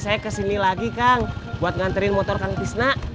saya kesini lagi kang buat nganterin motor kang pisna